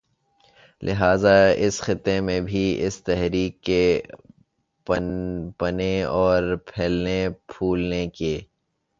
لہٰذا اس خطے میں بھی اس تحریک کے پنپنے اور پھلنے پھولنے کے